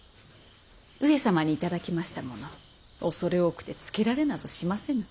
上様に頂きましたもの恐れ多くてつけられなどしませぬ。